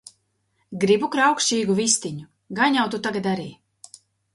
Gribu kraukšķīgu vistiņu! Gan jau tu tagad arī..